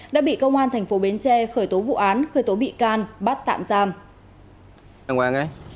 đã bị công an thành phố bến tre khởi tố vụ án khởi tố bị can bắt tạm giam